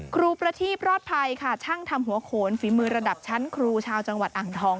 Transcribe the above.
ครูประทีบรอดภัยค่ะช่างทำหัวโขนฝีมือระดับชั้นครูชาวจังหวัดอ่างทอง